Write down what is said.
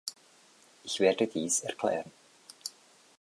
Ich werde dies erklären.